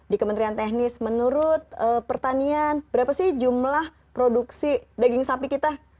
di kementerian teknis menurut pertanian berapa sih jumlah produksi daging sapi kita